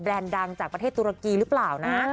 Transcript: ดังจากประเทศตุรกีหรือเปล่านะ